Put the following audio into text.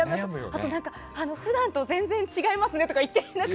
あと普段と全然違いますねとか言っていいのか。